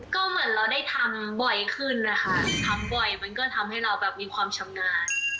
ก็เหมือนเราได้ทำบ่อยขึ้นนะคะทำบ่อยมันก็ทำให้เราแบบมีความชำนาญ